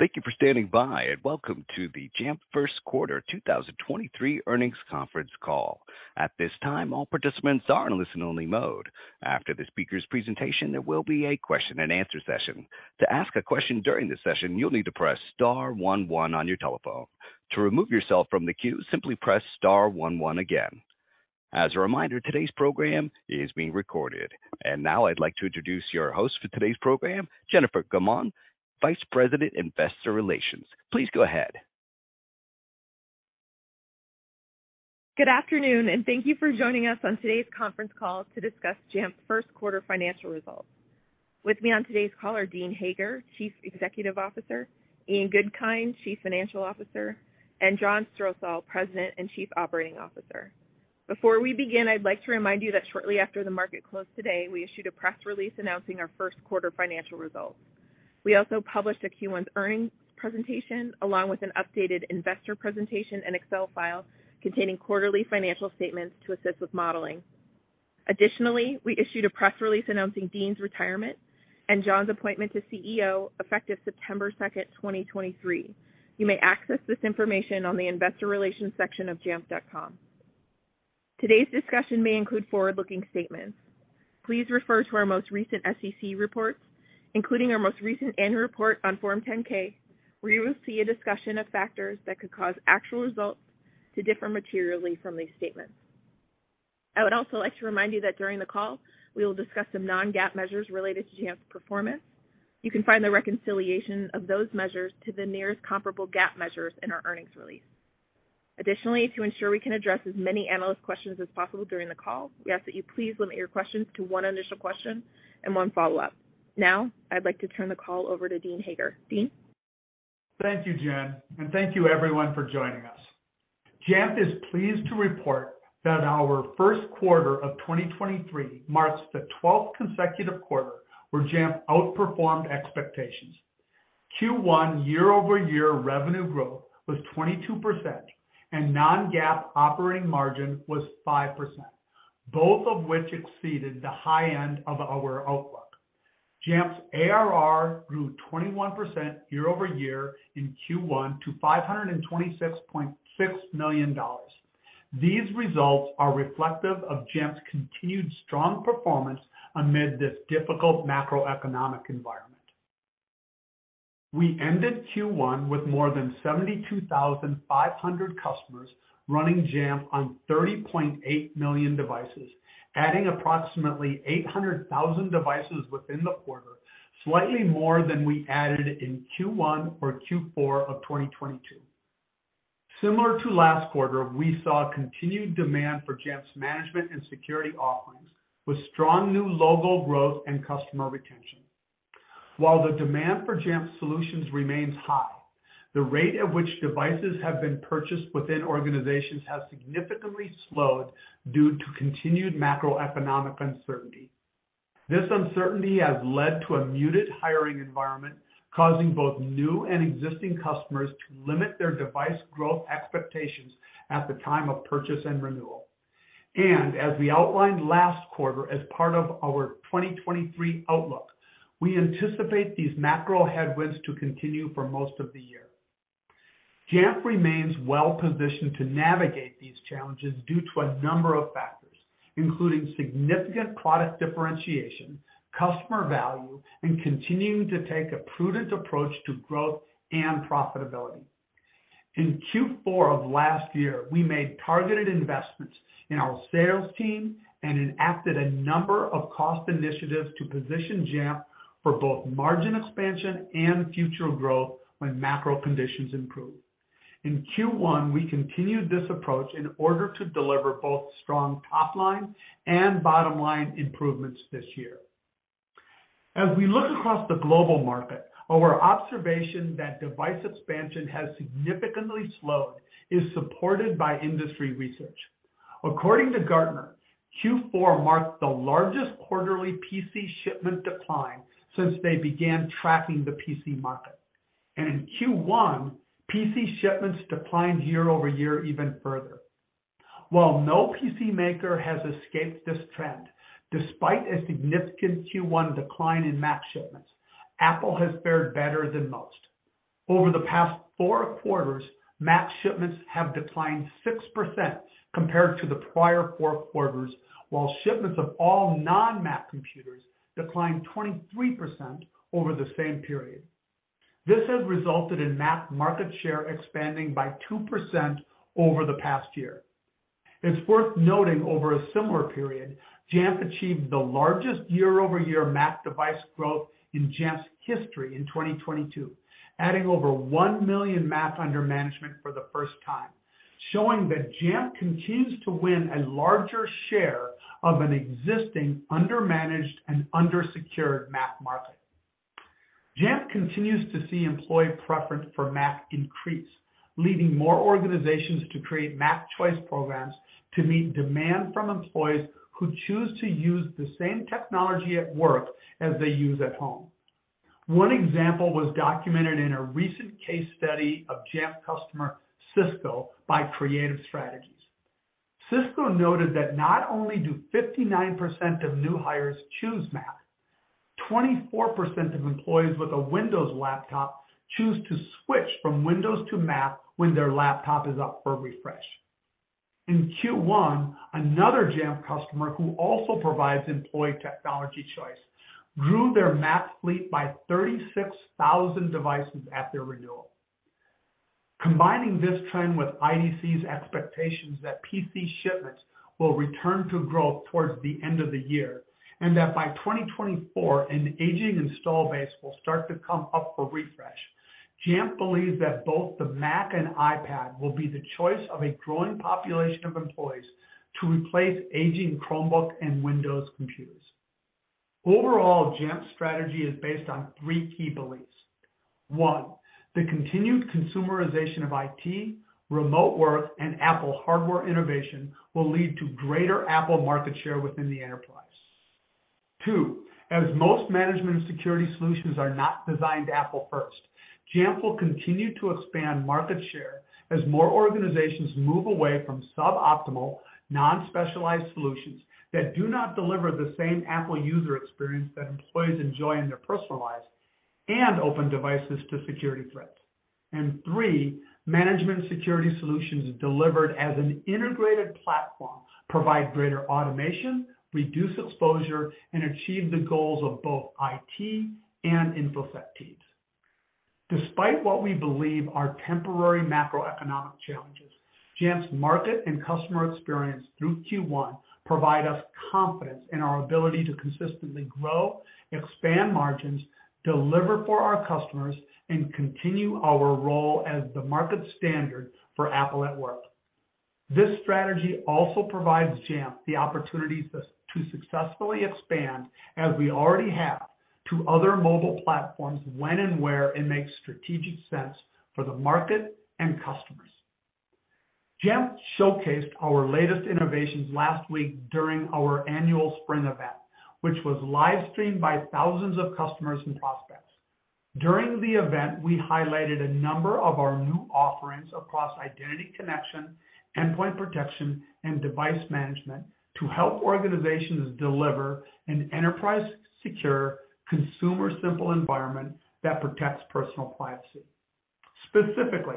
Thank you for standing by. Welcome to the Jamf first quarter 2023 earnings conference call. At this time, all participants are in listen-only mode. After the speaker's presentation, there will be a question-and-answer session. To ask a question during the session, you'll need to press star one one on your telephone. To remove yourself from the queue, simply press star one one again. As a reminder, today's program is being recorded. I'd like to introduce your host for today's program, Jennifer Gaumond, Vice President, Investor Relations. Please go ahead. Good afternoon, thank you for joining us on today's conference call to discuss Jamf first quarter financial results. With me on today's call are Dean Hager, Chief Executive Officer, Ian Goodkind, Chief Financial Officer, and John Strosahl, President and Chief Operating Officer. Before we begin, I'd like to remind you that shortly after the market closed today, we issued a press release announcing our first quarter financial results. We also published a Q1 earnings presentation, along with an updated investor presentation and Excel file containing quarterly financial statements to assist with modeling. Additionally, we issued a press release announcing Dean's retirement and John's appointment to CEO effective September 2, 2023. You may access this information on the investor relations section of jamf.com. Today's discussion may include forward-looking statements. Please refer to our most recent SEC reports, including our most recent annual report on Form 10-K, where you will see a discussion of factors that could cause actual results to differ materially from these statements. I would also like to remind you that during the call we will discuss some non-GAAP measures related to Jamf's performance. You can find the reconciliation of those measures to the nearest comparable GAAP measures in our earnings release. To ensure we can address as many analyst questions as possible during the call, we ask that you please limit your questions to 1 initial question and 1 follow-up. I'd like to turn the call over to Dean Hager. Dean. Thank you, Jen. Thank you everyone for joining us. Jamf is pleased to report that our first quarter of 2023 marks the 12th consecutive quarter where Jamf outperformed expectations. Q1 year-over-year revenue growth was 22% and non-GAAP operating margin was 5%, both of which exceeded the high end of our outlook. Jamf's ARR grew 21% year-over-year in Q1 to $526.6 million. These results are reflective of Jamf's continued strong performance amid this difficult macroeconomic environment. We ended Q1 with more than 72,500 customers running Jamf on 30.8 million devices, adding approximately 800,000 devices within the quarter, slightly more than we added in Q1 or Q4 of 2022. Similar to last quarter, we saw continued demand for Jamf's management and security offerings with strong new logo growth and customer retention. While the demand for Jamf solutions remains high, the rate at which devices have been purchased within organizations has significantly slowed due to continued macroeconomic uncertainty. This uncertainty has led to a muted hiring environment, causing both new and existing customers to limit their device growth expectations at the time of purchase and renewal. As we outlined last quarter as part of our 2023 outlook, we anticipate these macro headwinds to continue for most of the year. Jamf remains well positioned to navigate these challenges due to a number of factors, including significant product differentiation, customer value, and continuing to take a prudent approach to growth and profitability. In Q4 of last year, we made targeted investments in our sales team and enacted a number of cost initiatives to position Jamf for both margin expansion and future growth when macro conditions improve. In Q1, we continued this approach in order to deliver both strong top line and bottom line improvements this year. As we look across the global market, our observation that device expansion has significantly slowed is supported by industry research. According to Gartner, Q4 marked the largest quarterly PC shipment decline since they began tracking the PC market. In Q1, PC shipments declined year-over-year even further. While no PC maker has escaped this trend, despite a significant Q1 decline in Mac shipments, Apple has fared better than most. Over the past four quarters, Mac shipments have declined 6% compared to the prior four quarters, while shipments of all non-Mac computers declined 23% over the same period. This has resulted in Mac market share expanding by 2% over the past year. It's worth noting, over a similar period, Jamf achieved the largest year-over-year Mac device growth in Jamf's history in 2022, adding over 1 million Mac under management for the first time, showing that Jamf continues to win a larger share of an existing undermanaged and undersecured Mac market. Jamf continues to see employee preference for Mac increase, leading more organizations to create Mac choice programs to meet demand from employees who choose to use the same technology at work as they use at home. One example was documented in a recent case study of Jamf customer Cisco by Creative Strategies. Cisco noted that not only do 59% of new hires choose Mac, 24% of employees with a Windows laptop choose to switch from Windows to Mac when their laptop is up for refresh. In Q1, another Jamf customer who also provides employee technology choice grew their Mac fleet by 36,000 devices at their renewal. Combining this trend with IDC's expectations that PC shipments will return to growth towards the end of the year, and that by 2024 an aging install base will start to come up for refresh. Jamf believes that both the Mac and iPad will be the choice of a growing population of employees to replace aging Chromebook and Windows computers. Overall, Jamf's strategy is based on three key beliefs. One, the continued consumerization of IT, remote work, and Apple hardware innovation will lead to greater Apple market share within the enterprise. Two, as most management and security solutions are not designed Apple first, Jamf will continue to expand market share as more organizations move away from suboptimal, non-specialized solutions that do not deliver the same Apple user experience that employees enjoy in their personal lives and open devices to security threats. Three, management security solutions delivered as an integrated platform provide greater automation, reduce exposure, and achieve the goals of both IT and InfoSec teams. Despite what we believe are temporary macroeconomic challenges, Jamf's market and customer experience through Q1 provide us confidence in our ability to consistently grow, expand margins, deliver for our customers, and continue our role as the market standard for Apple at work. This strategy also provides Jamf the opportunities to successfully expand as we already have to other mobile platforms when and where it makes strategic sense for the market and customers. Jamf showcased our latest innovations last week during our annual spring event, which was live-streamed by thousands of customers and prospects. During the event, we highlighted a number of our new offerings across identity connection, endpoint protection, and device management to help organizations deliver an enterprise-secure, consumer-simple environment that protects personal privacy. Specifically,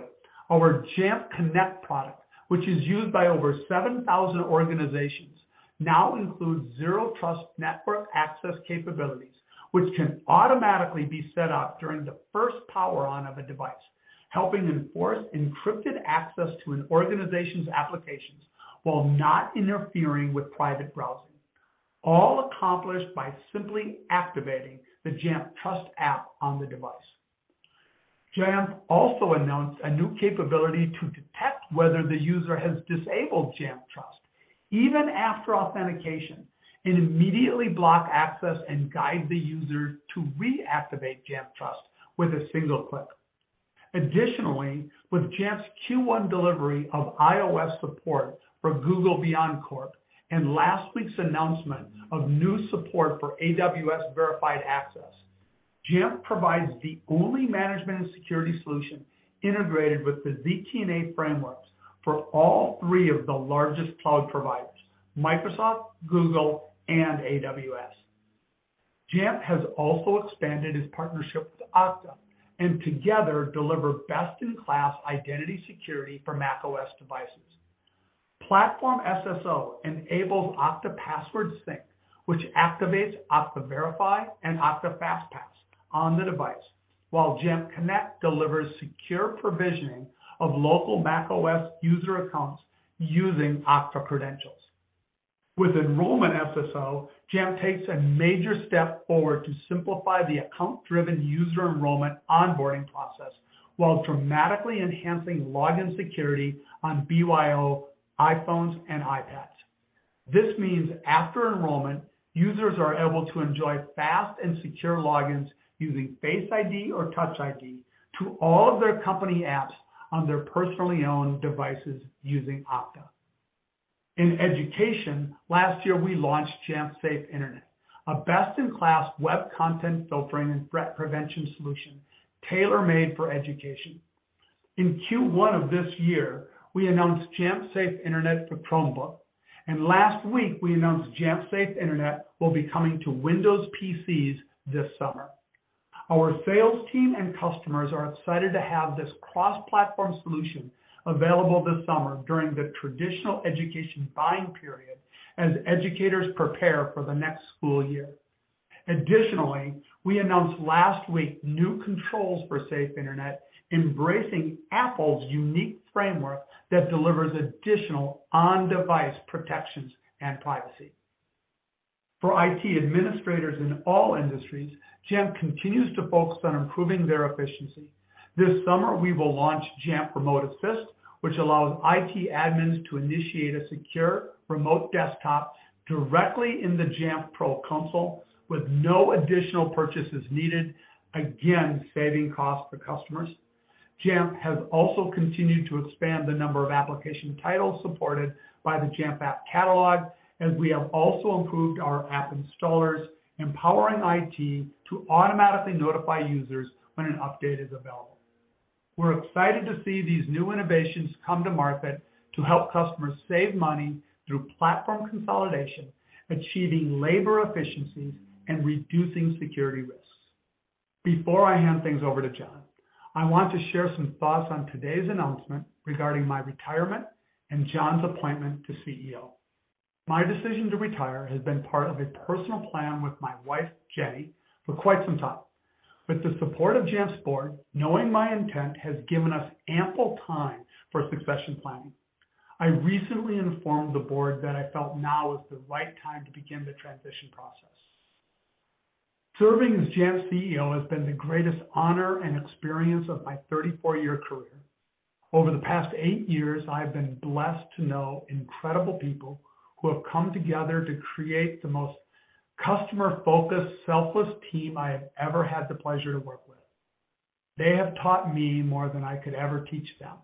our Jamf Connect product, which is used by over 7,000 organizations, now includes Zero Trust Network Access capabilities, which can automatically be set up during the first power on of a device, helping enforce encrypted access to an organization's applications while not interfering with private browsing. All accomplished by simply activating the Jamf Trust app on the device. Jamf also announced a new capability to detect whether the user has disabled Jamf Trust even after authentication, and immediately block access and guide the user to reactivate Jamf Trust with a single click. Additionally, with Jamf's Q1 delivery of iOS support for Google BeyondCorp and last week's announcement of new support for AWS Verified Access, Jamf provides the only management and security solution integrated with the ZTNA frameworks for all three of the largest cloud providers: Microsoft, Google, and AWS. Together deliver best-in-class identity security for macOS devices. Platform SSO enables Okta Password Sync, which activates Okta Verify and Okta FastPass on the device. While Jamf Connect delivers secure provisioning of local macOS user accounts using Okta credentials. With Enrollment SSO, Jamf takes a major step forward to simplify the account-driven user enrollment onboarding process while dramatically enhancing login security on BYO iPhones and iPads. This means, after enrollment, users are able to enjoy fast and secure logins using Face ID or Touch ID to all of their company apps on their personally owned devices using Okta. In education, last year, we launched Jamf Safe Internet, a best-in-class web content filtering and threat prevention solution tailor-made for education. In Q1 of this year, we announced Jamf Safe Internet for Chromebook. Last week we announced Jamf Safe Internet will be coming to Windows PCs this summer. Our sales team and customers are excited to have this cross-platform solution available this summer during the traditional education buying period as educators prepare for the next school year. Additionally, we announced last week new controls for Safe Internet, embracing Apple's unique framework that delivers additional on-device protections and privacy. For IT administrators in all industries, Jamf continues to focus on improving their efficiency. This summer, we will launch Jamf Remote Assist, which allows IT admins to initiate a secure remote desktop directly in the Jamf Pro console with no additional purchases needed, again, saving costs for customers. Jamf has also continued to expand the number of application titles supported by the Jamf App Catalog. We have also improved our app installers, empowering IT to automatically notify users when an update is available. We're excited to see these new innovations come to market to help customers save money through platform consolidation, achieving labor efficiencies, and reducing security risks. Before I hand things over to John, I want to share some thoughts on today's announcement regarding my retirement and John's appointment to CEO. My decision to retire has been part of a personal plan with my wife, Jenny, for quite some time. With the support of Jamf's board, knowing my intent has given us ample time for succession planning. I recently informed the board that I felt now is the right time to begin the transition process. Serving as Jamf CEO has been the greatest honor and experience of my 34-year career. Over the past eight years, I've been blessed to know incredible people who have come together to create the most customer-focused, selfless team I have ever had the pleasure to work with. They have taught me more than I could ever teach them.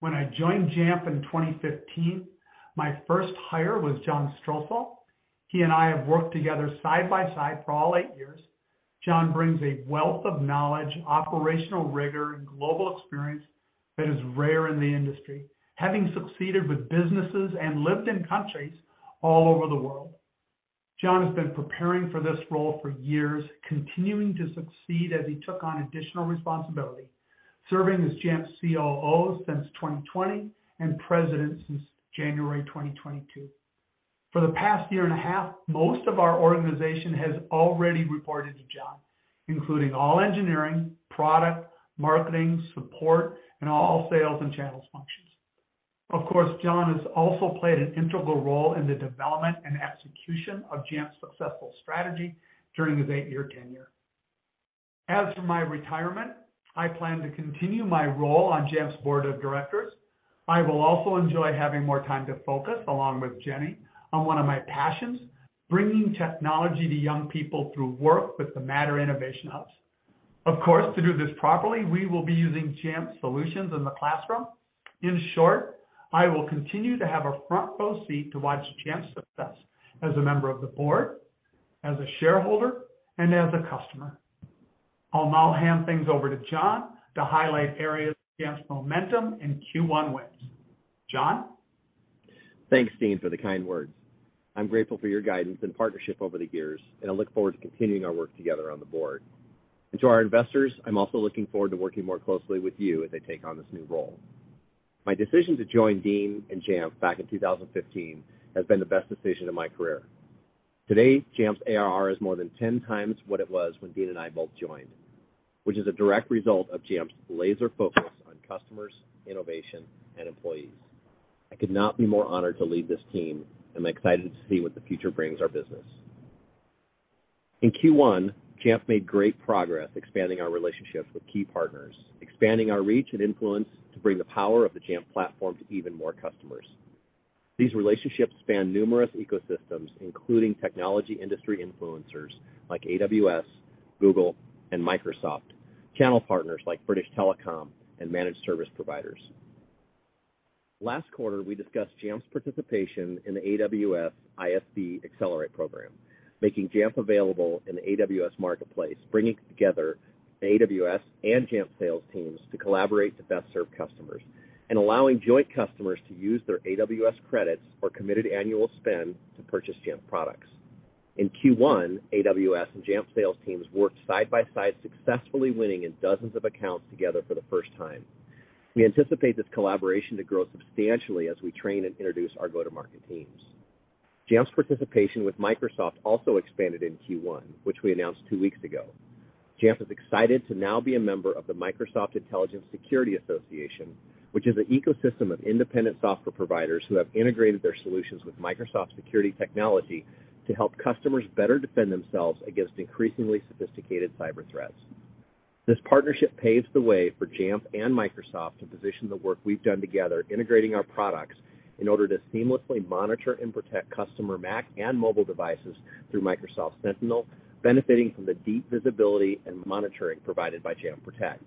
When I joined Jamf in 2015, my first hire was John Strosahl. He and I have worked together side by side for all 8 years. John brings a wealth of knowledge, operational rigor, and global experience that is rare in the industry, having succeeded with businesses and lived in countries all over the world. John has been preparing for this role for years, continuing to succeed as he took on additional responsibility, serving as Jamf's COO since 2020 and president since January 2022. For the past year and a half, most of our organization has already reported to John, including all engineering, product, marketing, support, and all sales and channels functions. John has also played an integral role in the development and execution of Jamf's successful strategy during his eight-year tenure. As for my retirement, I plan to continue my role on Jamf's board of directors. I will also enjoy having more time to focus, along with Jenny, on one of my passions, bringing technology to young people through work with the MATTER Innovation Hubs. To do this properly, we will be using Jamf's solutions in the classroom. In short, I will continue to have a front-row seat to watch Jamf's success as a member of the board, as a shareholder, and as a customer. I'll now hand things over to John to highlight areas of Jamf's momentum and Q1 wins. John? Thanks, Dean, for the kind words. I'm grateful for your guidance and partnership over the years, and I look forward to continuing our work together on the board. To our investors, I'm also looking forward to working more closely with you as I take on this new role. My decision to join Dean and Jamf back in 2015 has been the best decision of my career. Today, Jamf's ARR is more than 10x what it was when Dean and I both joined, which is a direct result of Jamf's laser focus on customers, innovation, and employees. I could not be more honored to lead this team. I'm excited to see what the future brings our business. In Q1, Jamf made great progress expanding our relationships with key partners, expanding our reach and influence to bring the power of the Jamf platform to even more customers. These relationships span numerous ecosystems, including technology industry influencers like AWS, Google, and Microsoft, channel partners like British Telecom, and managed service providers. Last quarter, we discussed Jamf's participation in the AWS ISV Accelerate program, making Jamf available in the AWS Marketplace, bringing together the AWS and Jamf sales teams to collaborate to best serve customers and allowing joint customers to use their AWS credits or committed annual spend to purchase Jamf products. In Q1, AWS and Jamf sales teams worked side by side successfully winning in dozens of accounts together for the first time. We anticipate this collaboration to grow substantially as we train and introduce our go-to-market teams. Jamf's participation with Microsoft also expanded in Q1, which we announced two weeks ago. Jamf is excited to now be a member of the Microsoft Intelligent Security Association, which is an ecosystem of independent software providers who have integrated their solutions with Microsoft security technology to help customers better defend themselves against increasingly sophisticated cyber threats. This partnership paves the way for Jamf and Microsoft to position the work we've done together integrating our products in order to seamlessly monitor and protect customer Mac and mobile devices through Microsoft Sentinel, benefiting from the deep visibility and monitoring provided by Jamf Protect.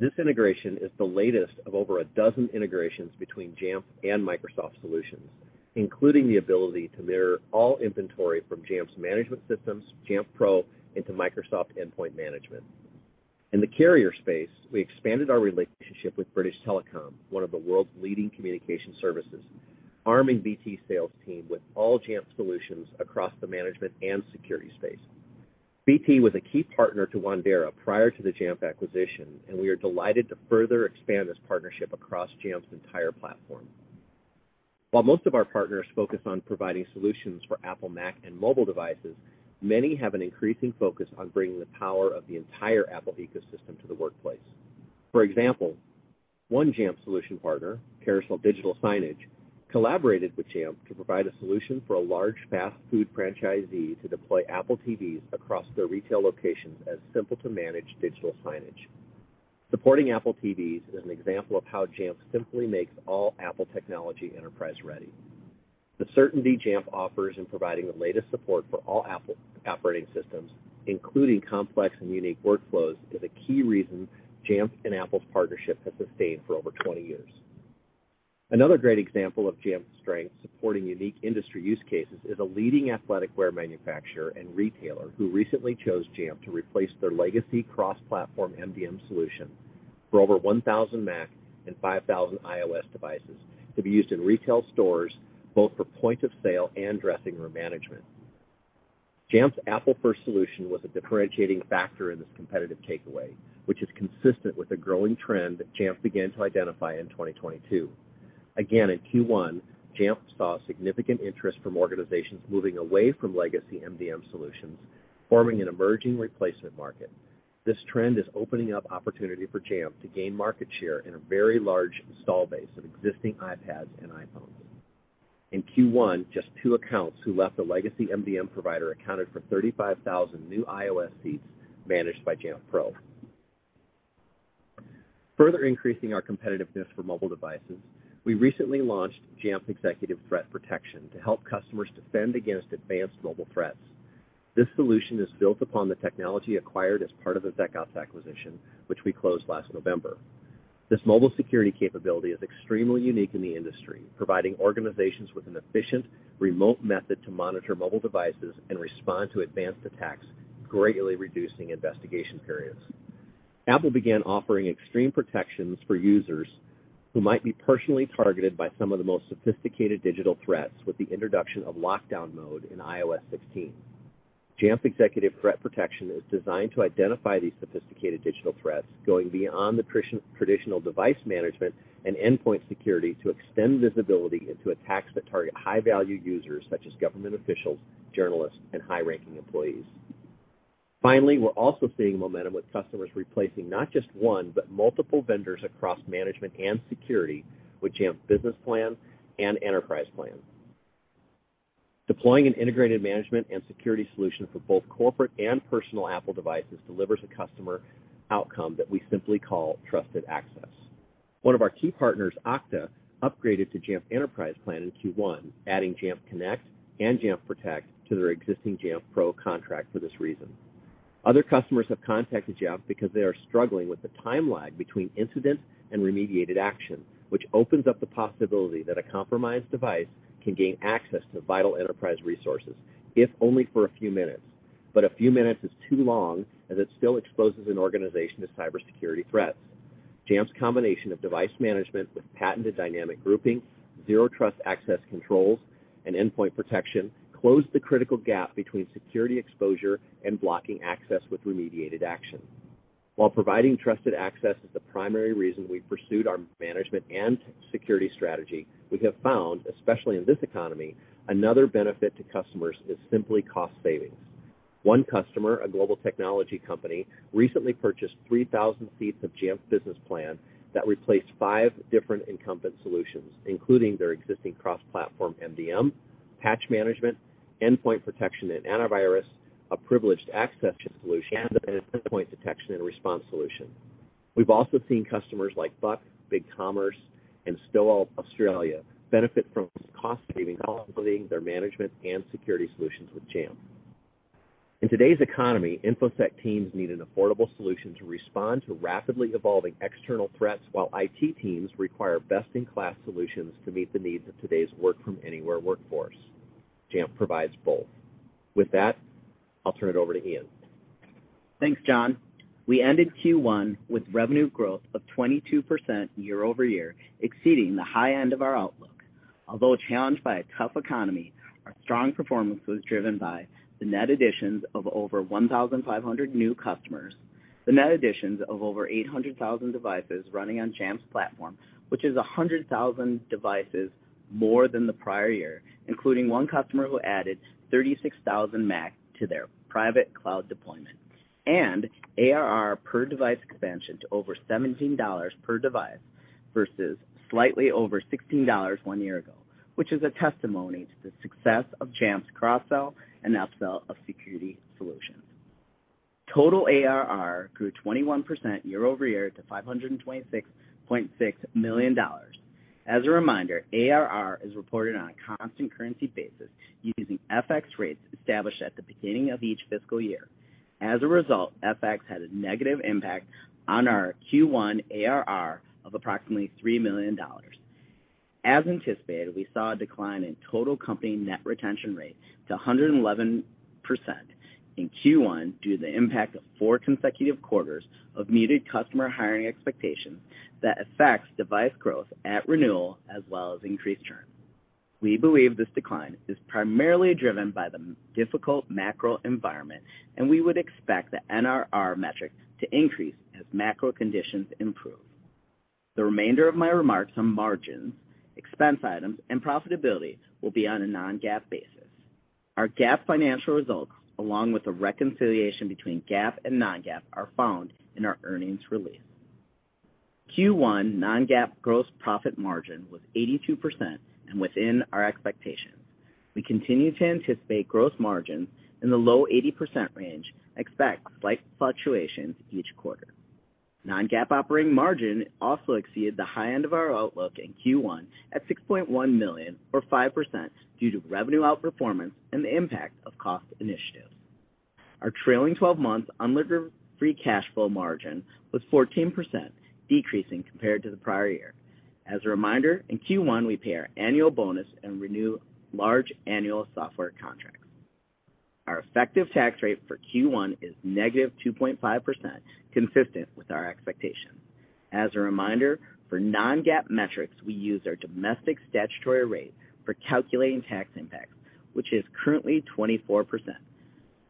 This integration is the latest of over a dozen integrations between Jamf and Microsoft solutions, including the ability to mirror all inventory from Jamf's management systems, Jamf Pro, into Microsoft Endpoint Management. In the carrier space, we expanded our relationship with British Telecom, one of the world's leading communication services, arming BT's sales team with all Jamf solutions across the management and security space. BT was a key partner to Wandera prior to the Jamf acquisition, and we are delighted to further expand this partnership across Jamf's entire platform. While most of our partners focus on providing solutions for Apple Mac and mobile devices, many have an increasing focus on bringing the power of the entire Apple ecosystem to the workplace. For example, one Jamf solution partner, Carousel Digital Signage, collaborated with Jamf to provide a solution for a large fast food franchisee to deploy Apple TVs across their retail locations as simple-to-manage digital signage. Supporting Apple TVs is an example of how Jamf simply makes all Apple technology enterprise-ready. The certainty Jamf offers in providing the latest support for all Apple operating systems, including complex and unique workflows, is a key reason Jamf and Apple's partnership has sustained for over 20 years. Another great example of Jamf's strength supporting unique industry use cases is a leading athletic wear manufacturer and retailer who recently chose Jamf to replace their legacy cross-platform MDM solution for over 1,000 Mac and 5,000 iOS devices to be used in retail stores, both for point of sale and dressing room management. Jamf's Apple-first solution was a differentiating factor in this competitive takeaway, which is consistent with the growing trend that Jamf began to identify in 2022. Again, in Q1, Jamf saw significant interest from organizations moving away from legacy MDM solutions, forming an emerging replacement market. This trend is opening up opportunity for Jamf to gain market share in a very large install base of existing iPads and iPhones. In Q1, just two accounts who left a legacy MDM provider accounted for 35,000 new iOS seats managed by Jamf Pro. Further increasing our competitiveness for mobile devices, we recently launched Jamf Executive Threat Protection to help customers defend against advanced mobile threats. This solution is built upon the technology acquired as part of the ZecOps acquisition, which we closed last November. This mobile security capability is extremely unique in the industry, providing organizations with an efficient remote method to monitor mobile devices and respond to advanced attacks, greatly reducing investigation periods. Apple began offering extreme protections for users who might be personally targeted by some of the most sophisticated digital threats with the introduction of Lockdown Mode in iOS 16. Jamf Executive Threat Protection is designed to identify these sophisticated digital threats, going beyond the traditional device management and endpoint security to extend visibility into attacks that target high-value users such as government officials, journalists, and high-ranking employees. Finally, we're also seeing momentum with customers replacing not just one, but multiple vendors across management and security with Jamf Business Plan and Enterprise Plan. Deploying an integrated management and security solution for both corporate and personal Apple devices delivers a customer outcome that we simply call Trusted Access. One of our key partners, Okta, upgraded to Jamf Enterprise Plan in Q1, adding Jamf Connect and Jamf Protect to their existing Jamf Pro contract for this reason. Other customers have contacted Jamf because they are struggling with the time lag between incidents and remediated action, which opens up the possibility that a compromised device can gain access to vital enterprise resources, if only for a few minutes. A few minutes is too long, as it still exposes an organization to cybersecurity threats. Jamf's combination of device management with patented dynamic grouping, zero trust access controls, and Endpoint Protection close the critical gap between security exposure and blocking access with remediated action. While providing Trusted Access is the primary reason we pursued our management and security strategy, we have found, especially in this economy, another benefit to customers is simply cost savings. One customer, a global technology company, recently purchased 3,000 seats of Jamf's Business Plan that replaced five different incumbent solutions, including their existing cross-platform MDM, patch management, endpoint protection and antivirus, a privileged access solution, and an endpoint detection and response solution. We've also seen customers like Buck, BigCommerce, and Sanlam Australia benefit from cost savings, consolidating their management and security solutions with Jamf. In today's economy, InfoSec teams need an affordable solution to respond to rapidly evolving external threats, while IT teams require best-in-class solutions to meet the needs of today's work-from-anywhere workforce. Jamf provides both. With that, I'll turn it over to Ian. Thanks, John. We ended Q1 with revenue growth of 22% year-over-year, exceeding the high end of our outlook. Although challenged by a tough economy, our strong performance was driven by the net additions of over 1,500 new customers, the net additions of over 800,000 devices running on Jamf's platform, which is 100,000 devices more than the prior year, including one customer who added 36,000 Mac to their private cloud deployment, and ARR per device expansion to over $17 per device versus slightly over $16 one year ago, which is a testimony to the success of Jamf's cross-sell and upsell of security solutions. Total ARR grew 21% year-over-year to $526.6 million. As a reminder, ARR is reported on a constant currency basis using FX rates established at the beginning of each fiscal year. FX had a negative impact on our Q1 ARR of approximately $3 million. We saw a decline in total company Net Retention Rate to 111% in Q1 due to the impact of four consecutive quarters of muted customer hiring expectations that affects device growth at renewal as well as increased churn. We believe this decline is primarily driven by the difficult macro environment, and we would expect the NRR metric to increase as macro conditions improve. The remainder of my remarks on margins, expense items, and profitability will be on a non-GAAP basis. Our GAAP financial results, along with the reconciliation between GAAP and non-GAAP, are found in our earnings release. Q1 non-GAAP gross profit margin was 82% and within our expectations. We continue to anticipate gross margins in the low 80% range, expect slight fluctuations each quarter. Non-GAAP operating margin also exceeded the high end of our outlook in Q1 at $6.1 million, or 5%, due to revenue outperformance and the impact of cost initiatives. Our trailing 12 months unlevered free cash flow margin was 14%, decreasing compared to the prior year. As a reminder, in Q1, we pay our annual bonus and renew large annual software contracts. Our effective tax rate for Q1 is -2.5%, consistent with our expectations. As a reminder, for non-GAAP metrics, we use our domestic statutory rate for calculating tax impacts, which is currently 24%.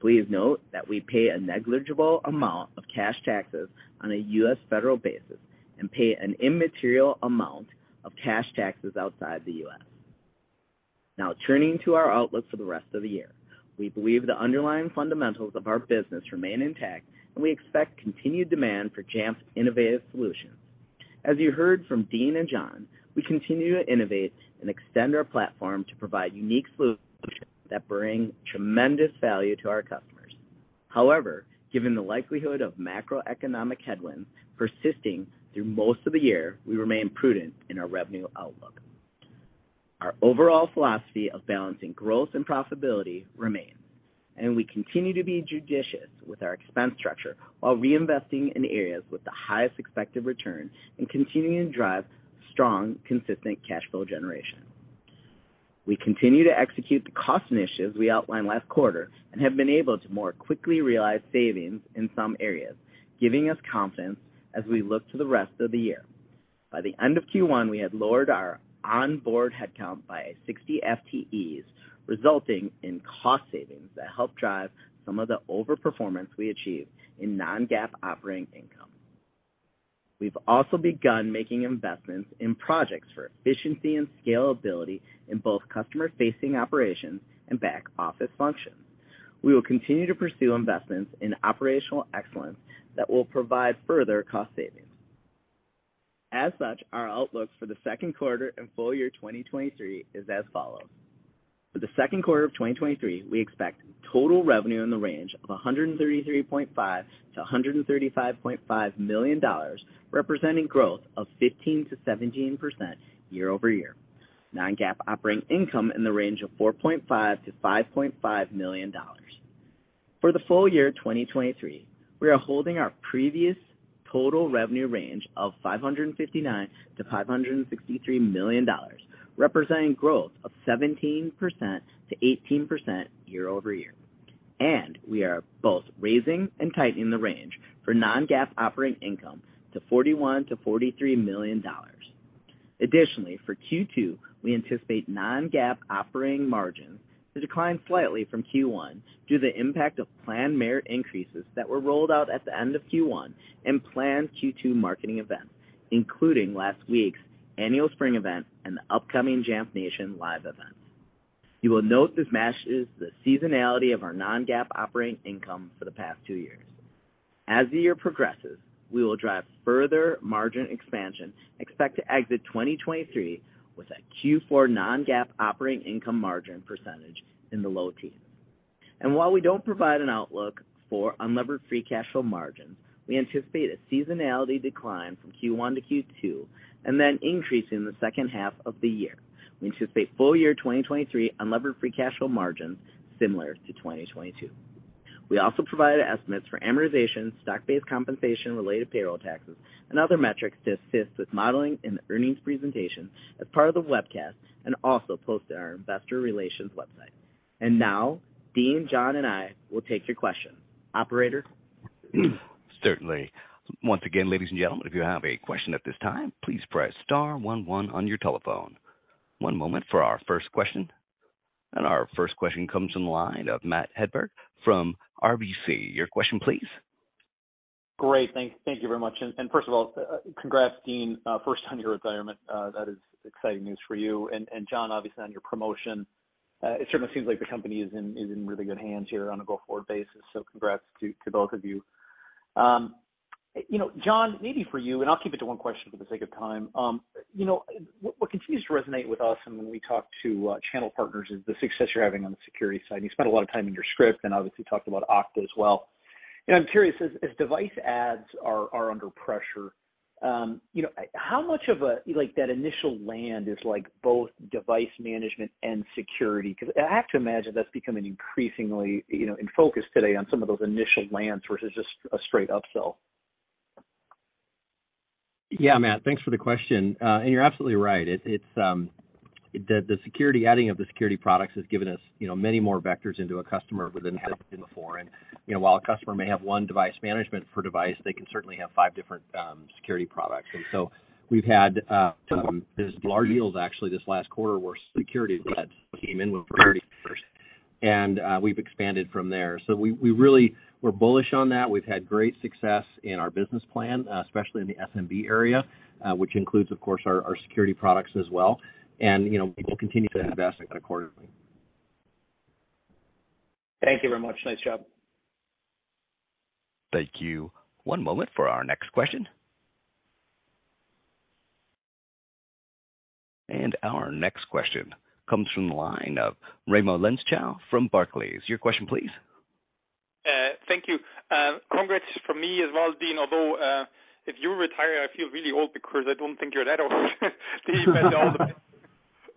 Please note that we pay a negligible amount of cash taxes on a U.S. federal basis and pay an immaterial amount of cash taxes outside the U.S. Turning to our outlook for the rest of the year. We believe the underlying fundamentals of our business remain intact, and we expect continued demand for Jamf's innovative solutions. As you heard from Dean and John, we continue to innovate and extend our platform to provide unique solutions that bring tremendous value to our customers. Given the likelihood of macroeconomic headwinds persisting through most of the year, we remain prudent in our revenue outlook. Our overall philosophy of balancing growth and profitability remains, and we continue to be judicious with our expense structure while reinvesting in areas with the highest expected returns and continuing to drive strong, consistent cash flow generation. We continue to execute the cost initiatives we outlined last quarter and have been able to more quickly realize savings in some areas, giving us confidence as we look to the rest of the year. By the end of Q1, we had lowered our onboard headcount by 60 FTEs, resulting in cost savings that help drive some of the overperformance we achieved in non-GAAP operating income. We've also begun making investments in projects for efficiency and scalability in both customer-facing operations and back-office functions. We will continue to pursue investments in operational excellence that will provide further cost savings. As such, our outlooks for the second quarter and full-year 2023 is as follows. For the second quarter of 2023, we expect total revenue in the range of $133.5 million-$135.5 million, representing growth of 15%-17% year-over-year. Non-GAAP operating income in the range of $4.5 million-$5.5 million. For the full-year 2023, we are holding our previous total revenue range of $559 million-$563 million, representing growth of 17%-18% year-over-year. We are both raising and tightening the range for non-GAAP operating income to $41 million-$43 million. Additionally, for Q2, we anticipate non-GAAP operating margin to decline slightly from Q1 due to the impact of planned merit increases that were rolled out at the end of Q1 and planned Q2 marketing events, including last week's annual spring event and the upcoming Jamf Nation Live event. You will note this matches the seasonality of our non-GAAP operating income for the past two years. As the year progresses, we will drive further margin expansion, expect to exit 2023 with a Q4 non-GAAP operating income margin percentage in the low teens. While we don't provide an outlook for unlevered free cash flow margins, we anticipate a seasonality decline from Q1 to Q2, and then increase in the second half of the year. We anticipate full-year 2023 unlevered free cash flow margins similar to 2022. We also provided estimates for amortization, stock-based compensation, related payroll taxes, and other metrics to assist with modeling in the earnings presentation as part of the webcast, and also posted on our investor relations website. Now Dean, John, and I will take your questions. Operator? Certainly. Once again, ladies and gentlemen, if you have a question at this time, please press star one one on your telephone. One moment for our first question. Our first question comes from the line of Matthew Hedberg from RBC. Your question, please. Great. Thank you very much. First of all, congrats, Dean, first on your retirement, that is exciting news for you, and John, obviously on your promotion. It certainly seems like the company is in really good hands here on a go-forward basis. Congrats to both of you. you know, John, maybe for you, and I'll keep it to one question for the sake of time. you know, what continues to resonate with us and when we talk to channel partners is the success you're having on the security side, and you spent a lot of time in your script and obviously talked about Okta as well. You know, I'm curious, as device ads are under pressure, you know, how much of like, that initial land is, like, both device management and security? because I have to imagine that's becoming increasingly, you know, in focus today on some of those initial lands versus just a straight upsell. Yeah, Matt. Thanks for the question. You're absolutely right. It's the adding of the security products has given us, you know, many more vectors into a customer than it has been before. You know, while a customer may have 1 device management per device, they can certainly have 5 different security products. We've had, there's large deals actually this last quarter where security leads came in with security first, and we've expanded from there. We really, we're bullish on that. We've had great success in our Business Plan, especially in the SMB area, which includes, of course, our security products as well. You know, we will continue to invest in that accordingly. Thank you very much. Nice job. Thank you. One moment for our next question. Our next question comes from the line of Raimo Lenschow from Barclays. Your question, please. Thank you. Congrats from me as well, Dean, although, if you retire, I feel really old because I don't think you're that old.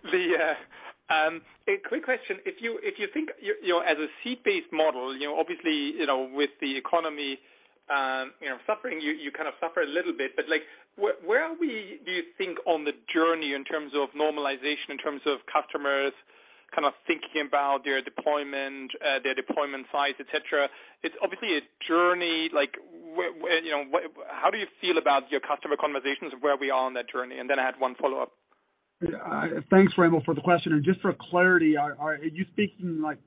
The, a quick question. If you think, you know, as a seat-based model, you know, obviously, you know, with the economy, you know, suffering, you kind of suffer a little bit. Like where are we, do you think, on the journey in terms of normalization, in terms of customers kind of thinking about their deployment, their deployment size, et cetera? It's obviously a journey, like where, you know, what... How do you feel about your customer conversations of where we are on that journey? Then I had one follow-up. Yeah, thanks, Raimo, for the question. Just for clarity, are you speaking like,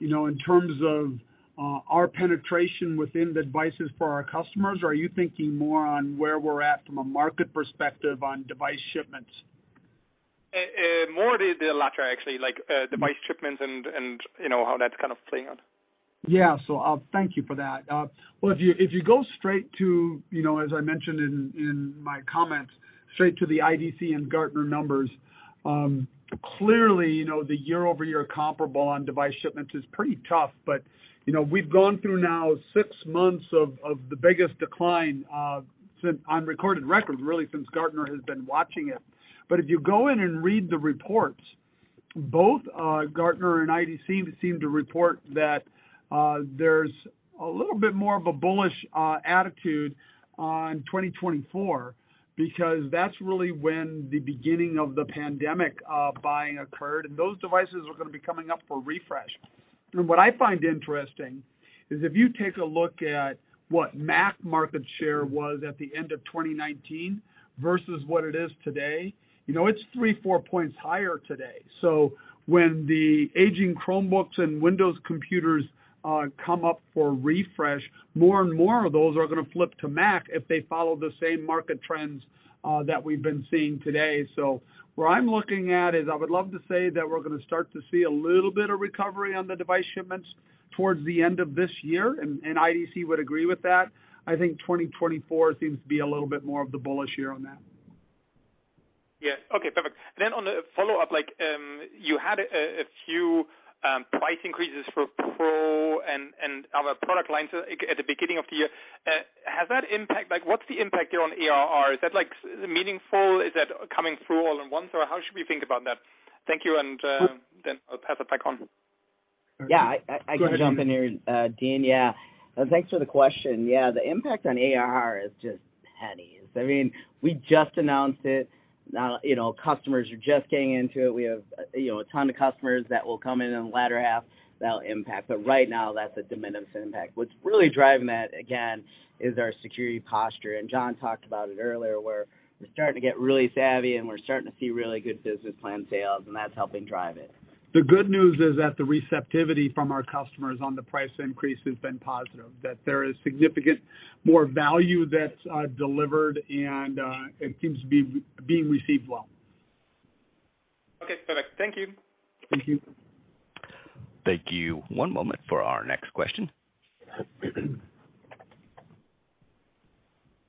you know, in terms of, our penetration within the devices for our customers? Or are you thinking more on where we're at from a market perspective on device shipments? More the latter, actually, like, device shipments and, you know, how that's kind of playing out. Thank you for that. Well, if you go straight to, you know, as I mentioned in my comments, straight to the IDC and Gartner numbers, clearly, you know, the year-over-year comparable on device shipments is pretty tough. We've gone through now six months of the biggest decline, since on recorded record, really since Gartner has been watching it. If you go in and read the reports, both, Gartner and IDC seem to report that, there's a little bit more of a bullish attitude on 2024, because that's really when the beginning of the pandemic buying occurred, and those devices are gonna be coming up for refresh. What I find interesting is if you take a look at what Mac market share was at the end of 2019 versus what it is today, you know, it's three, four points higher today. When the aging Chromebooks and Windows computers come up for refresh, more and more of those are gonna flip to Mac if they follow the same market trends that we've been seeing today. Where I'm looking at is I would love to say that we're gonna start to see a little bit of recovery on the device shipments towards the end of this year, and IDC would agree with that. I think 2024 seems to be a little bit more of the bullish year on that. Yeah. Okay, perfect. On the follow-up, like, you had a few price increases for Pro and other product lines at the beginning of the year. Like, what's the impact there on ARR? Is that, like, meaningful? Is that coming through all in one? How should we think about that? Thank you. Then I'll pass it back on. Yeah. Go ahead. can jump in here, Dean, yeah. Thanks for the question. Yeah, the impact on ARR is just pennies. I mean, we just announced it. Now, you know, customers are just getting into it. We have, you know, a ton of customers that will come in in the latter half that'll impact. Right now, that's a de minimis impact. What's really driving that, again, is our security posture, and John talked about it earlier, where we're starting to get really savvy and we're starting to see really good Jamf Business Plan sales, and that's helping drive it. The good news is that the receptivity from our customers on the price increase has been positive, that there is significant more value that's delivered and it seems to be being received well. Okay. Perfect. Thank you. Thank you. Thank you. One moment for our next question.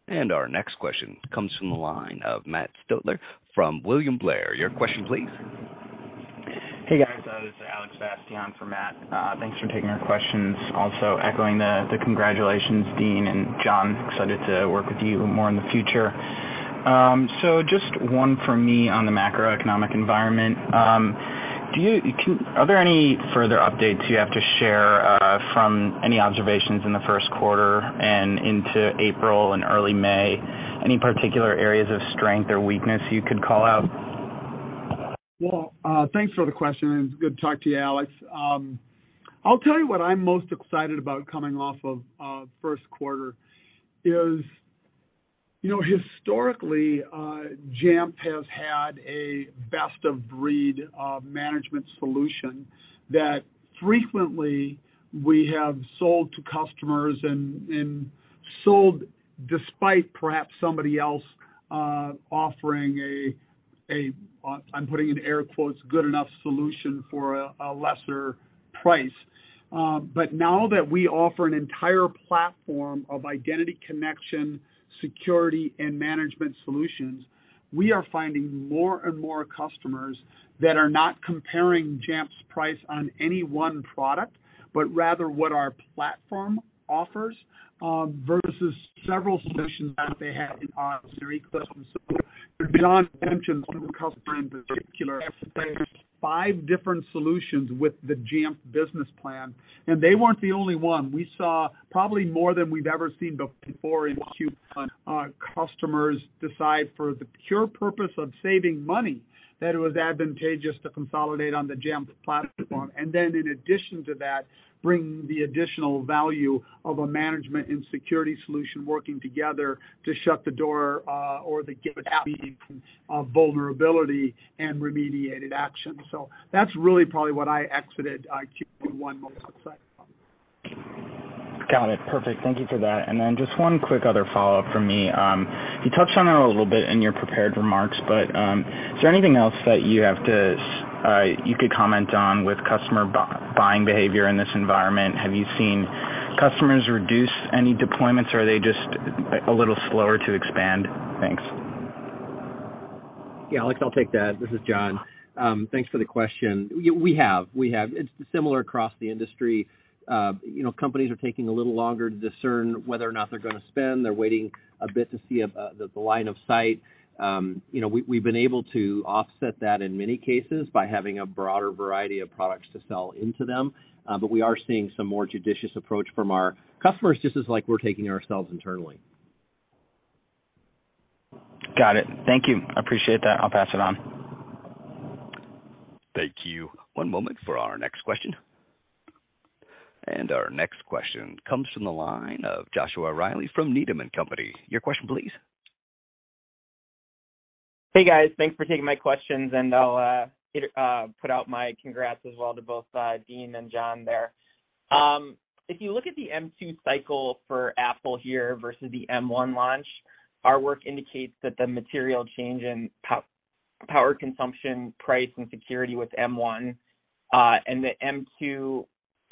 Our next question comes from the line of Matt Stotler from William Blair. Your question please. Hey, guys. This is Alex Bastian for Matt. Thanks for taking our questions. Also echoing the congratulations, Dean and John. Excited to work with you more in the future. Just one for me on the macroeconomic environment. Are there any further updates you have to share from any observations in the first quarter and into April and early May? Any particular areas of strength or weakness you could call out? Well, thanks for the question, and it's good to talk to you, Alex. I'll tell you what I'm most excited about coming off of first quarter, is, you know, historically, Jamf has had a best-of-breed management solution that frequently we have sold to customers and sold despite perhaps somebody else offering a, I'm putting in air quotes, "good enough solution" for a lesser price. But now that we offer an entire platform of identity connection, security, and management solutions, we are finding more and more customers that are not comparing Jamf's price on any one product, but rather what our platform offers versus several solutions that they have in our ecosystem. John mentioned one customer in particular, five different solutions with the Jamf Business Plan, and they weren't the only one. We saw probably more than we've ever seen before in Q1, customers decide for the pure purpose of saving money that it was advantageous to consolidate on the Jamf platform. In addition to that, bring the additional value of a management and security solution working together to shut the door, or the gap of vulnerability and remediated action. That's really probably what I exited, Q1 most excited from. Got it. Perfect. Thank you for that. Just one quick other follow-up from me. You touched on it a little bit in your prepared remarks, is there anything else that you have to, you could comment on with customer buying behavior in this environment? Have you seen customers reduce any deployments, or are they just a little slower to expand? Thanks. Yeah, Alex, I'll take that. This is John. Thanks for the question. We have. It's similar across the industry. You know, companies are taking a little longer to discern whether or not they're gonna spend. They're waiting a bit to see, the line of sight. You know, we've been able to offset that in many cases by having a broader variety of products to sell into them. We are seeing some more judicious approach from our customers, just as like we're taking ourselves internally. Got it. Thank you. I appreciate that. I'll pass it on. Thank you. One moment for our next question. Our next question comes from the line of Joshua Reilly from Needham & Company. Your question please. Hey, guys. Thanks for taking my questions. I'll put out my congrats as well to both Dean and John there. If you look at the M2 cycle for Apple here versus the M1 launch, our work indicates that the material change in power consumption, price, and security with M1, and the M2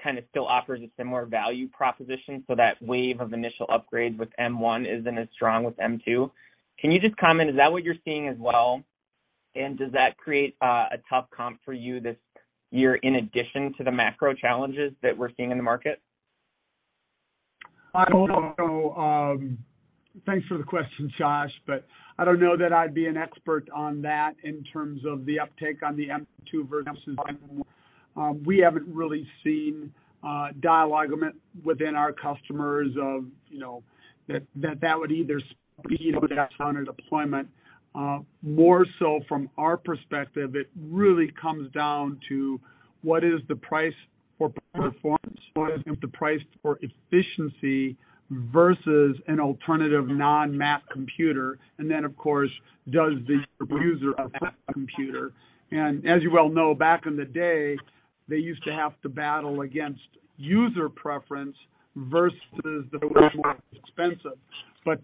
kinda still offers a similar value proposition so that wave of initial upgrades with M1 isn't as strong with M2. Can you just comment, is that what you're seeing as well? Does that create a tough comp for you this year in addition to the macro challenges that we're seeing in the market? I don't know. Thanks for the question, Josh, but I don't know that I'd be an expert on that in terms of the uptake on the M2 versus M1. We haven't really seen dialogue within our customers of, you know, that would either speed up or slow down a deployment. More so from our perspective, it really comes down to what is the price for performance, what is the price for efficiency versus an alternative non-Mac computer. Of course, does the user of that computer. As you well know, back in the day, they used to have to battle against user preference versus the was expensive.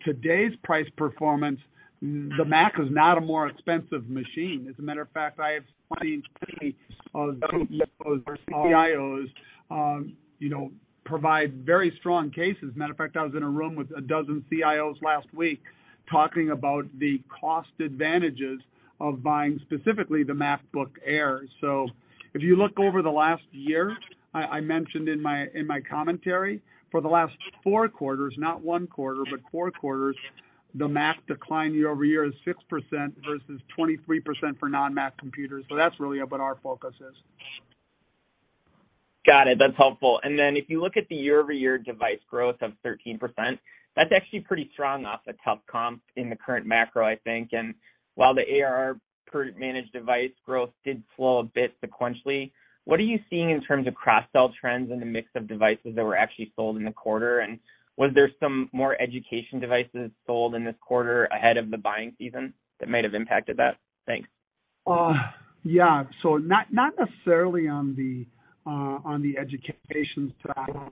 Today's price performance, the Mac is not a more expensive machine. As a matter of fact, I have plenty and plenty of CEOs or CIOs, you know, provide very strong cases. Matter of fact, I was in a room with a dozen CIOs last week talking about the cost advantages of buying specifically the MacBook Air. If you look over the last year, I mentioned in my commentary, for the last four quarters, not one quarter, but four quarters, the Mac decline year-over-year is 6% versus 23% for non-Mac computers. That's really what our focus is. Got it. That's helpful. If you look at the year-over-year device growth of 13%, that's actually pretty strong off a tough comp in the current macro, I think. While the ARR per managed device growth did slow a bit sequentially, what are you seeing in terms of cross-sell trends in the mix of devices that were actually sold in the quarter? Was there some more education devices sold in this quarter ahead of the buying season that might have impacted that? Thanks. Yeah. Not necessarily on the education side,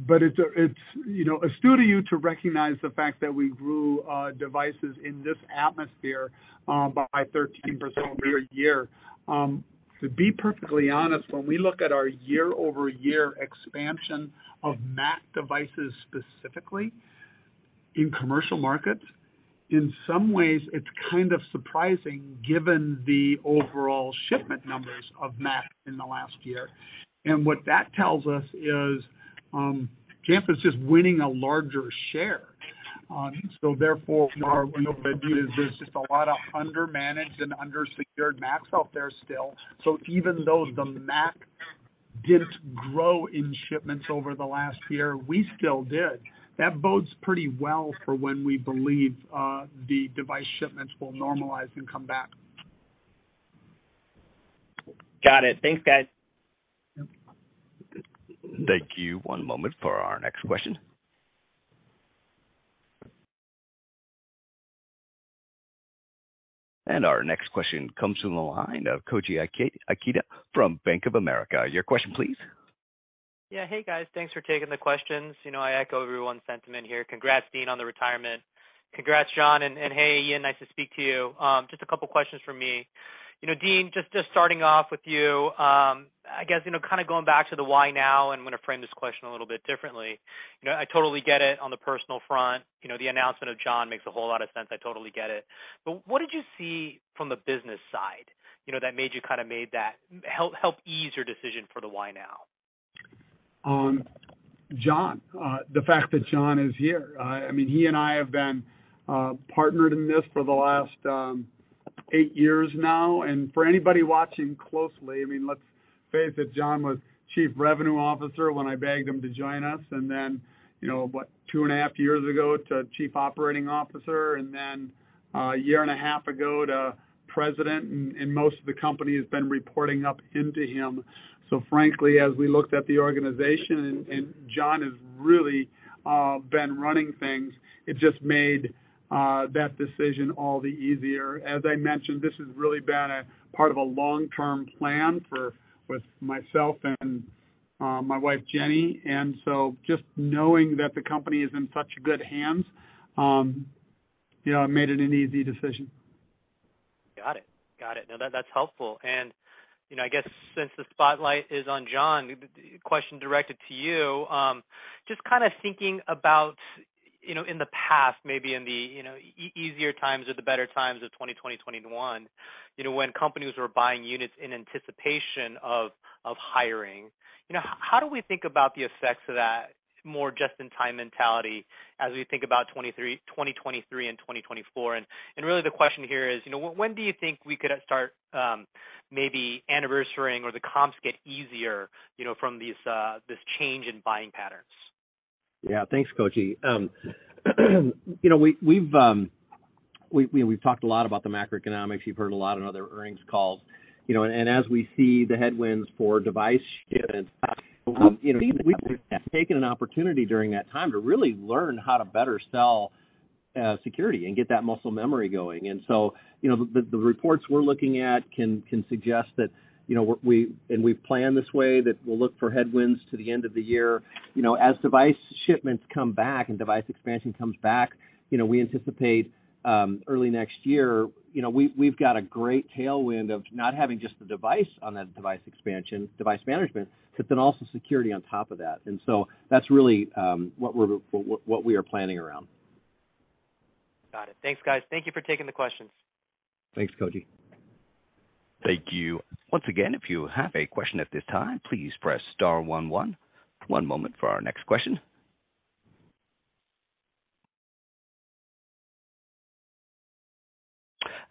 but it's, you know, astute of you to recognize the fact that we grew devices in this atmosphere by 13% year-over-year. To be perfectly honest, when we look at our year-over-year expansion of Mac devices specifically in commercial markets, in some ways it's kind of surprising given the overall shipment numbers of Mac in the last year. What that tells us is, Jamf is just winning a larger share. Therefore, you know, the idea is there's just a lot of undermanaged and undersecured Macs out there still. Even though the Mac didn't grow in shipments over the last year, we still did. That bodes pretty well for when we believe the device shipments will normalize and come back. Got it. Thanks, guys. Thank you. One moment for our next question. Our next question comes from the line of Koji Ikeda from Bank of America. Your question please. Hey, guys. Thanks for taking the questions. You know, I echo everyone's sentiment here. Congrats, Dean, on the retirement. Congrats, John. Hey, Ian, nice to speak to you. Just two questions from me. You know, Dean, just starting off with you, I guess, you know, kind of going back to the why now, I'm going to frame this question a little bit differently. You know, I totally get it on the personal front. You know, the announcement of John makes a whole lot of sense. I totally get it. What did you see from the business side, you know, that made you kind of help ease your decision for the why now? John. The fact that John is here. I mean, he and I have been partnered in this for the last eight years now. For anybody watching closely, I mean, let's face it, John was Chief Revenue Officer when I begged him to join us. Then, you know, what 2.5 years ago to Chief Operating Officer, then a year and a half ago to President, and most of the company has been reporting up into him. Frankly, as we looked at the organization, John has really been running things, it just made that decision all the easier. As I mentioned, this has really been a part of a long-term plan for, with myself and my wife, Jenny. Just knowing that the company is in such good hands, you know, it made it an easy decision. No, that's helpful. You know, I guess since the spotlight is on John, the question directed to you, just kind of thinking about, you know, in the past, maybe in the, you know, easier times or the better times of 2020, 2021, you know, when companies were buying units in anticipation of hiring, how do we think about the effects of that more just-in-time mentality as we think about 2023 and 2024? Really the question here is, you know, when do you think we could start maybe anniversarying or the comps get easier, you know, from these, this change in buying patterns? Yeah. Thanks, Koji. you know, we've talked a lot about the macroeconomics. You've heard a lot in other earnings calls, you know, and as we see the headwinds for device shipments, you know, we've taken an opportunity during that time to really learn how to better sell security and get that muscle memory going. you know, the reports we're looking at can suggest that, you know, and we've planned this way, that we'll look for headwinds to the end of the year. You know, as device shipments come back and device expansion comes back, you know, we anticipate early next year, you know, we've got a great tailwind of not having just the device on that device expansion, device management, but then also security on top of that. That's really, what we are planning around. Got it. Thanks, guys. Thank you for taking the questions. Thanks, Koji. Thank you. Once again, if you have a question at this time, please press star one one. One moment for our next question.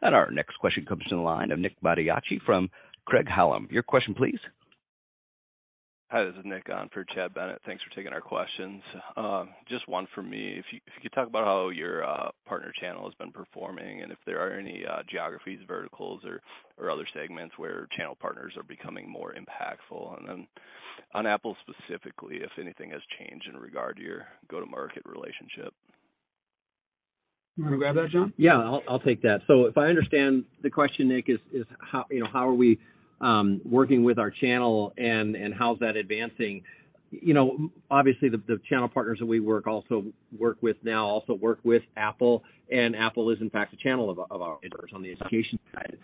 Our next question comes to the line of Nick Nardone from Craig-Hallum. Your question, please. Hi, this is Nick on for Chad Bennett. Thanks for taking our questions. Just one for me. If you could talk about how your partner channel has been performing and if there are any geographies, verticals or other segments where channel partners are becoming more impactful? Then on Apple specifically, if anything has changed in regard to your go-to-market relationship? You wanna grab that, John? Yeah, I'll take that. If I understand the question, Nick, is how we're working with our channel and how's that advancing? Obviously the channel partners that we work with now also work with Apple, and Apple is in fact a channel of ours on the association side.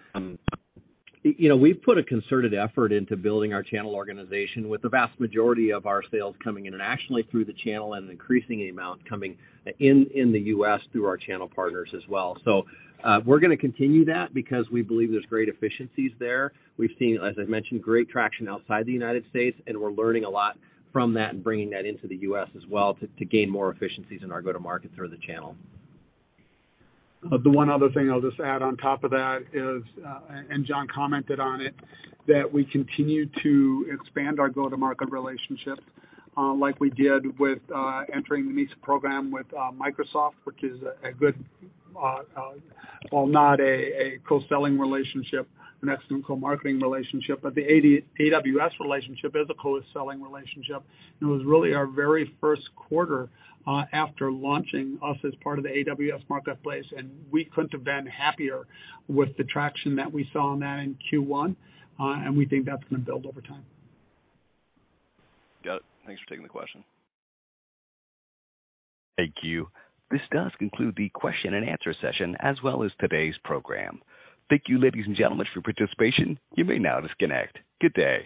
We've put a concerted effort into building our channel organization, with the vast majority of our sales coming internationally through the channel and an increasing amount coming in the U.S. through our channel partners as well. We're gonna continue that because we believe there's great efficiencies there. We've seen, as I've mentioned, great traction outside the United States. We're learning a lot from that and bringing that into the U.S. as well to gain more efficiencies in our go-to-markets or the channel. The one other thing I'll just add on top of that is, John commented on it, that we continue to expand our go-to-market relationship, like we did with, entering the MISA program with Microsoft, which is a good, while not a co-selling relationship, an excellent co-marketing relationship. The AWS relationship is a co-selling relationship. It was really our very first quarter after launching us as part of the AWS Marketplace, and we couldn't have been happier with the traction that we saw on that in Q1, and we think that's gonna build over time. Got it. Thanks for taking the question. Thank you. This does conclude the question-and-answer session as well as today's program. Thank you, ladies and gentlemen, for your participation. You may now disconnect. Good day.